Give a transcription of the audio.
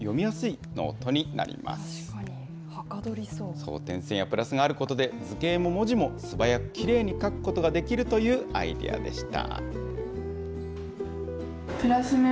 この点線やプラスがあることで、図形も文字も素早くきれいに書くことができるというアイデアでした。